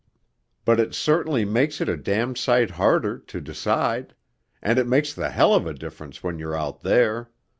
But it certainly makes it a damned sight harder to decide ... and it makes the hell of a difference when you're out there....